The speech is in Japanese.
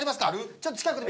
ちょっと近くで。